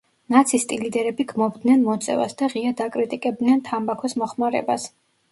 ნაცისტი ლიდერები გმობდნენ მოწევას და ღიად აკრიტიკებდნენ თამბაქოს მოხმარებას.